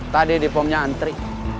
tadi di pomnya antri